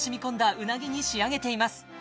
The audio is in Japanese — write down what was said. うなぎに仕上げています